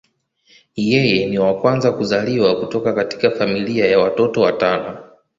Yeye ni wa kwanza kuzaliwa kutoka katika familia ya watoto watano.